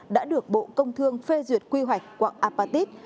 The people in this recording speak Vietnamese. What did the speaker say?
đã được bộ công thương phê duyệt quy hoạch quạng apatit